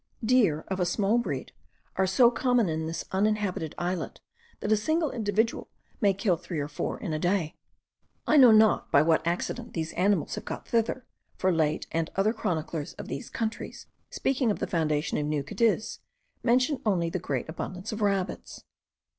Deer of a small breed are so common in this uninhabited islet, that a single individual may kill three or four in a day. I know not by what accident these animals have got thither, for Laet and other chroniclers of these countries, speaking of the foundation of New Cadiz, mention only the great abundance of rabbits.